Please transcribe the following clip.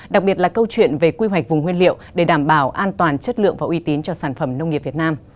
đặc biệt là câu chuyện về quy hoạch vùng nguyên liệu để đảm bảo an toàn chất lượng và uy tín cho sản phẩm nông nghiệp việt nam